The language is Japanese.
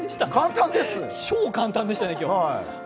超簡単でしたね。